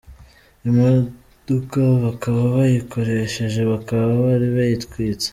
Imdoka bakaba abayikoresheje bakaba bari bayitwitse.